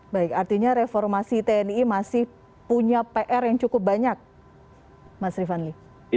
baik artinya reformasi tni masih punya pr yang cukup banyak mas rifanli